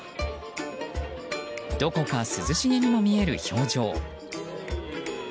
どこか涼しげにも見える表情。